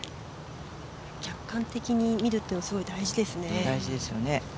客観的に見るっていうのはすごく大事ですね。